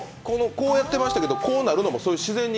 こうやってましたけど、こうなるのも自然に？